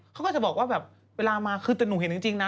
เขาก็จะบอกว่าแบบเวลามาคือแต่หนูเห็นจริงนะ